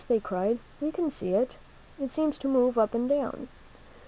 " they cried, "we can see it. It seems to move up and down."